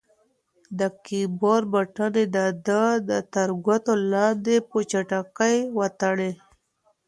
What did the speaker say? د کیبورډ بټنې د ده تر ګوتو لاندې په چټکۍ وتړکېدې.